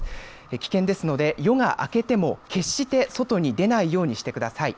危険ですので夜が明けても決して外に出ないようにしてください。